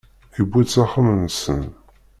yewwi-t s axxam-nsen.